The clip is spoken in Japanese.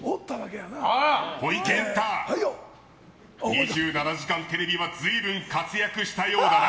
「２７時間テレビ」は随分活躍したようだな！